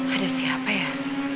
ada siapa ya